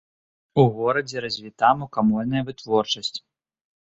У горадзе развіта мукамольная вытворчасць.